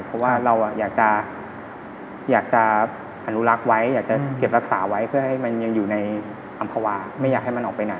ปรักษาไว้เพื่อให้มันยังอยู่ในอำภาวะไม่อยากให้มันออกไปไหน